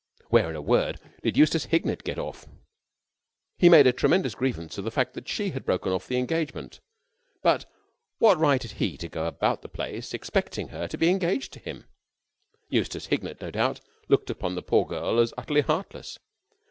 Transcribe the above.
Where, in a word, did Eustace Hignett get off? He made a tremendous grievance of the fact that she had broken off the engagement, but what right had he to go about the place expecting her to be engaged to him? Eustace Hignett, no doubt, looked upon the poor girl as utterly heartless.